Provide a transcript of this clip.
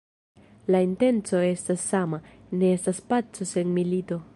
La intenco estas sama: ne estas paco sen milito.